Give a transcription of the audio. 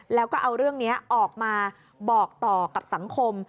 แล้วก็เอาเรื่องนี้ออกมาบอกต่อกับสังคม